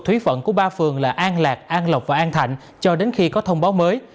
thúy phận của ba phường là an lạc an lộc và an thạnh cho đến khi có thông báo mới